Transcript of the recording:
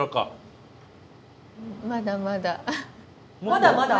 まだまだ？